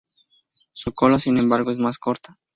Su cola, sin embargo, es más corta.